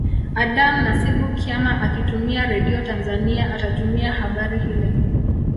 Adam Nasibu Kiama akitumia Radio Tanzania atatumia habari hile